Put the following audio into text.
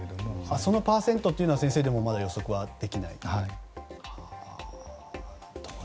そのパーセントは先生でもまだ予測はできないと。